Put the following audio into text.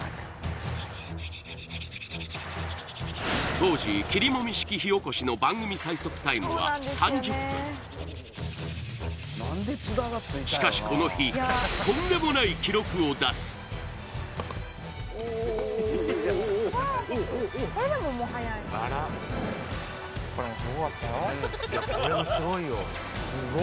当時きりもみ式火おこしの番組最速タイムは３０分しかしこの日とんでもない記録を出すはいー！